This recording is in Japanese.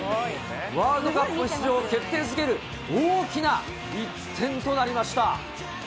ワールドカップ出場を決定づける、大きな１点となりました。